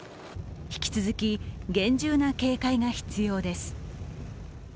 引き続き厳重な警戒が必要です。